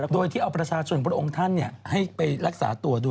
โดยที่เอาประชาชนของพระองค์ท่านให้ไปรักษาตัวด้วย